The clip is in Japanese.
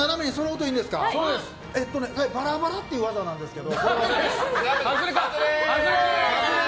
バラバラっていう技なんですけど。